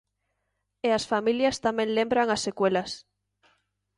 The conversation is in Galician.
E as familias tamén lembran as secuelas.